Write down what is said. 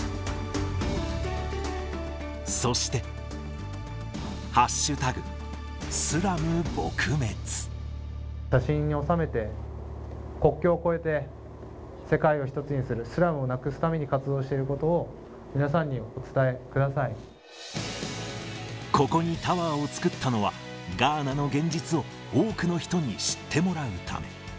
そして、写真に収めて、国境を越えて、世界を一つにする、スラムをなくすために活動していることを、ここにタワーを作ったのは、ガーナの現実を多くの人に知ってもらうため。